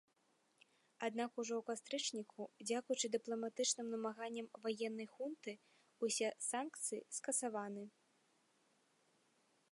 Аднак ужо у кастрычніку, дзякуючы дыпламатычным намаганням ваеннай хунты, усе санкцыі скасаваны.